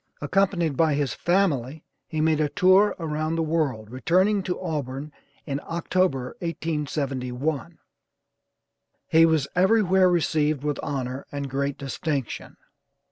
Accompanied by his family he made a tour around the world, returning to Auburn in October, 1871. He was everywhere received with honor and great distinction.